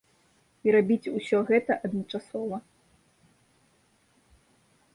І рабіць усё гэта адначасова.